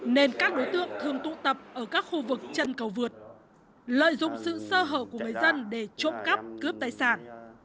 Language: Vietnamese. nên các đối tượng thường tụ tập ở các khu vực chân cầu vượt lợi dụng sự sơ hở của người dân để trộm cắp cướp tài sản